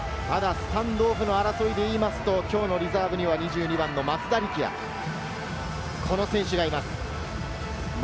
スタンドオフの争いで言いますと、きょうのリザーブには２２番の松田力也、この選手がいます。